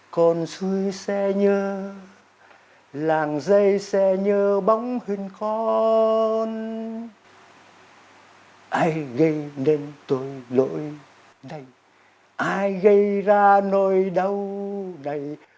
con xui sẽ nhớ làng dây sẽ nhớ bóng hình con ai gây nên tôi lỗi đây ai gây ra nỗi đau đây